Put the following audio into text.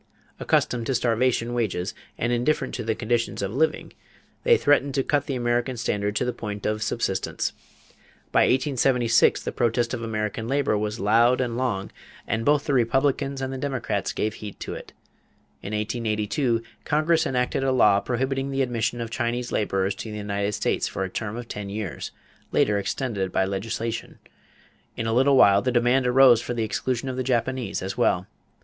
Accustomed to starvation wages and indifferent to the conditions of living, they threatened to cut the American standard to the point of subsistence. By 1876 the protest of American labor was loud and long and both the Republicans and the Democrats gave heed to it. In 1882 Congress enacted a law prohibiting the admission of Chinese laborers to the United States for a term of ten years later extended by legislation. In a little while the demand arose for the exclusion of the Japanese as well.